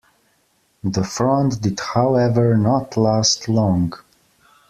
The front did however not last long.